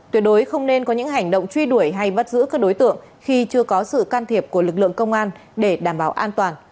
tuyệt đối không nên có những hành động truy đuổi hay bắt giữ các đối tượng khi chưa có sự can thiệp của lực lượng công an để đảm bảo an toàn